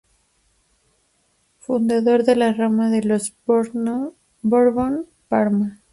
Fundador de la rama de los Borbón-Parma.